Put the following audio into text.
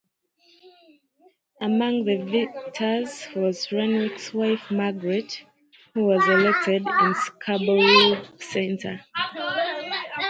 Among the victors was Renwick's wife Margaret, who was elected in Scarborough Centre.